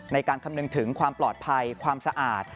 คำนึงถึงความปลอดภัยความสะอาด